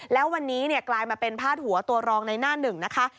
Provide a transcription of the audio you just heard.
แล้ววันนี้กลายมาเป็นพาดหัวตัวรองในหน้าหนึ่งนะคะ